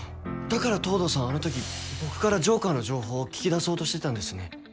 だから東堂さんはあのとき僕からジョーカーの情報を聞き出そうとしてたんですね。